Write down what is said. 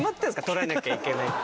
撮らなきゃいけないって。